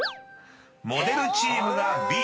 ［モデルチームがＢ］